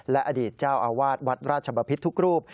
และอดีตเจ้าอาวาสวัดราชบพิษทุกรูป